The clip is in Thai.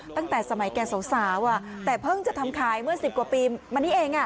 ตั้งแต่สมัยแกสาวแต่เพิ่งจะทำขายเมื่อ๑๐กว่าปีมานี้เอง